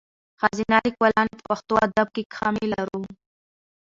ښځینه لیکوالاني په پښتو ادب کښي کمي لرو.